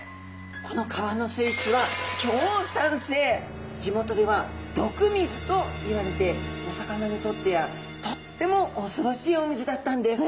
この川の水質は地元では毒水といわれてお魚にとってはとってもおそろしいお水だったんです。